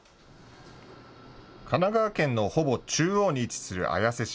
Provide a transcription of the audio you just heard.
神奈川県のほぼ中央に位置する綾瀬市。